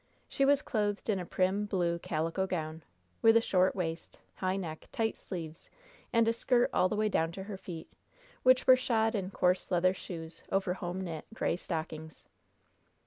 She was clothed in a prim, blue, calico gown, with a short waist, high neck, tight sleeves, and a skirt all the way down to her feet, which were shod in coarse leather shoes over home knit, gray stockings.